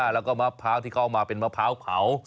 แล้วก็มะพร้าวที่เข้ามาเป็นมะพร้าวเผา